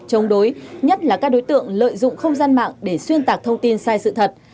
chống đối nhất là các đối tượng lợi dụng không gian mạng để xuyên tạc thông tin sai sự thật